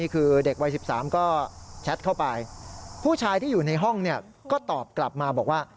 คือเด็กวัย๑๓ก็แชทเข้าไปผู้ชายที่อยู่ในห้องเนี่ยก็ตอบกลับมาบอกว่า